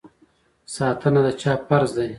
ساتنه د چا فرض دی؟